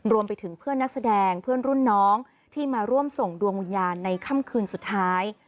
รวมไปถึงเพื่อนนักแสดงเพื่อนรุ่นน้องที่มาร่วมส่งดวงวิญญาณในค่ำคืนสุดท้าย